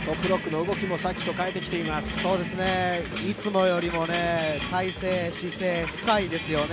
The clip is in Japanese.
いつもよりも体勢、姿勢、深いですよね。